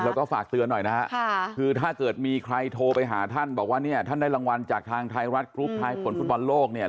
แล้วก็ฝากเตือนหน่อยนะฮะคือถ้าเกิดมีใครโทรไปหาท่านบอกว่าเนี่ยท่านได้รางวัลจากทางไทยรัฐกรุ๊ปไทยผลฟุตบอลโลกเนี่ย